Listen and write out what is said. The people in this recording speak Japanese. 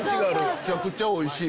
めちゃくちゃおいしい！